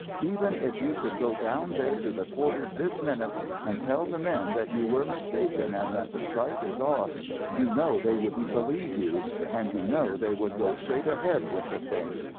Even if you should go down there to the quarters this minute and tell the men that you were mistaken and that the strike is off you know they wouldn't believe you. And you know they would go straight ahead with the thing.